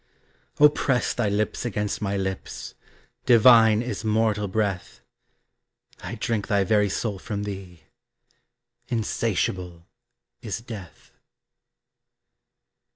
Oh press thy lips against my lips, Divine is mortal breath; I drink thy very soul from thee. Insatiable is death.